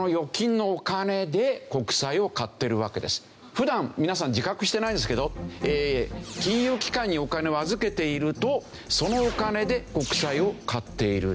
普段皆さん自覚してないんですけど金融機関にお金を預けているとそのお金で国債を買っている。